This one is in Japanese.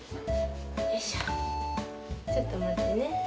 よいしょちょっとまってね。